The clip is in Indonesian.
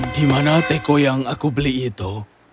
di mana teko yang aku beli itu